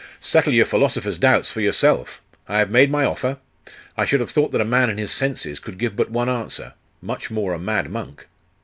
'Settle your philosopher's doubts for yourself. I have made my offer. I should have thought that a man in his senses could give but one answer, much more a mad monk.